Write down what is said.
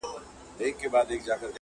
سړي وویل راغلی مسافر یم -